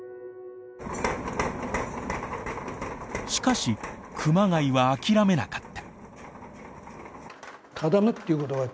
しかし熊谷は諦めなかった。